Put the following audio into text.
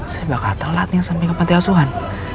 saya bakal telat nih sampai ke pantai asuhan